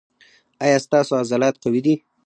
ایا ستاسو عضلات قوي دي؟